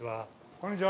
こんにちは